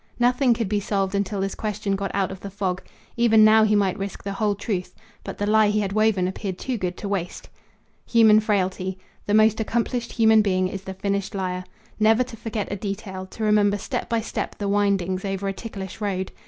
Nothing could be solved until this question got out of the fog. Even now he might risk the whole truth; but the lie he had woven appeared too good to waste. Human frailty. The most accomplished human being is the finished liar. Never to forget a detail, to remember step by step the windings, over a ticklish road.